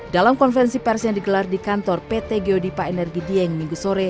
dalam konvensi pers yang digelar di kantor pt geodipa energi dieng